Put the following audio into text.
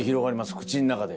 口の中で。